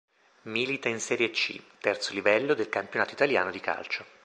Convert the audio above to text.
Milita in Serie C, terzo livello del campionato italiano di calcio.